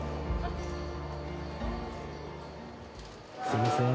すいません